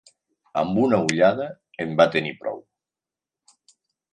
Amb una ullada en va tenir prou.